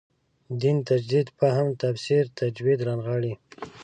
دین تجدید فهم تفسیر تجدید رانغاړي.